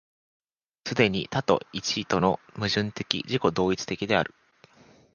既に多と一との矛盾的自己同一的である。